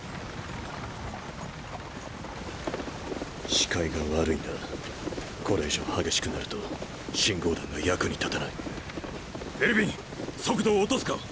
視界が悪いなこれ以上激しくなると信号弾が役に立たないエルヴィン速度を落とすか？